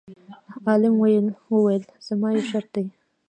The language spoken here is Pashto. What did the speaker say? عالم وویل: زما یو شرط دی.